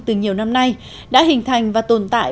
từ nhiều năm nay đã hình thành và tồn tại